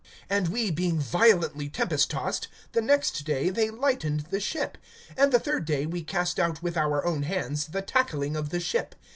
(18)And we being violently tempest tossed, the next day they lightened the ship; (19)and the third day we cast out with our own hands the tackling of the ship.